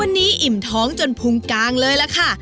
วันนี้อิ่มท้องจนพุงกางเลยล่ะค่ะ